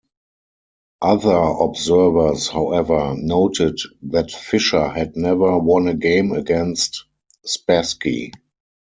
Other observers, however, noted that Fischer had never won a game against Spassky.